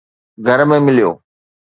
گهر ۾ مليو